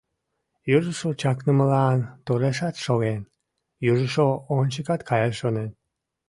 Южыжо чакнымылан торешат шоген, южыжо ончыкат каяш шонен.